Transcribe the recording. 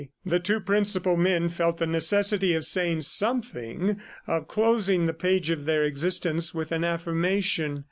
..." The two principal men felt the necessity of saying something, of closing the page of their existence with an affirmation.